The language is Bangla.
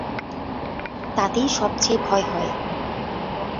তাতেই সব চেয়ে ভয় হয়।